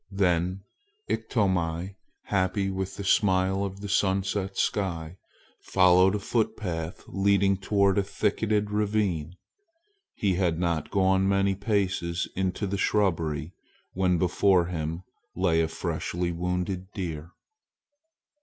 Then Iktomi, happy with the smile of the sunset sky, followed a footpath leading toward a thicketed ravine. He had not gone many paces into the shrubbery when before him lay a freshly wounded deer!